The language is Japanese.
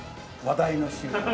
話題のシュート？